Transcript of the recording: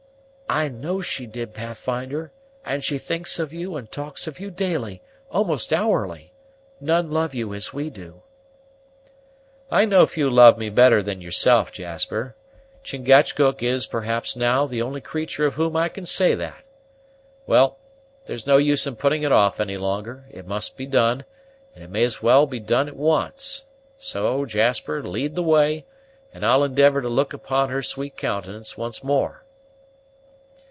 "I know she did, Pathfinder; and she thinks of you and talks of you daily, almost hourly. None love you as we do." "I know few love me better than yourself, Jasper: Chingachgook is perhaps, now, the only creatur' of whom I can say that. Well, there's no use in putting it off any longer; it must be done, and may as well be done at once; so, Jasper, lead the way, and I'll endivor to look upon her sweet countenance once more."